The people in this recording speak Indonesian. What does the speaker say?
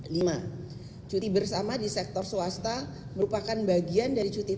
lima cuti bersama di sektor swasta merupakan bagian yang lebih penting